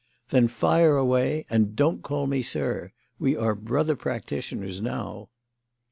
"Then fire away; and don't call me 'sir.' We are brother practitioners now."